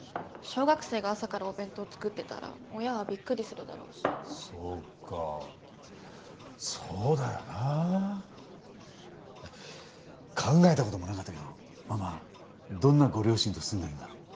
小学生が朝からお弁当作ってたら親はビックリするだろうしそうかそうだよなあ考えたこともなかったけどママどんなご両親と住んでるんだろ？